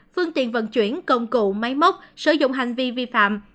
phương tiện vận chuyển công cụ máy móc sử dụng hành vi vi phạm